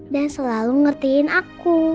dan selalu ngertiin aku